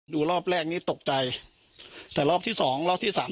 รอบแรกนี้ตกใจแต่รอบที่สองรอบที่สาม